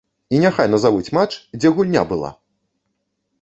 І няхай назавуць матч, дзе гульня была!